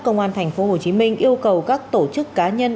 công an tp hcm yêu cầu các tổ chức cá nhân